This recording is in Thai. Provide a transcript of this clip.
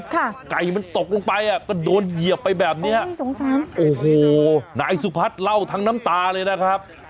ไก่มันตกลงไปอ่ะก็โดนเหยียบไปแบบเนี้ยน่าสงสารโอ้โหนายสุพัฒน์เล่าทั้งน้ำตาเลยนะครับ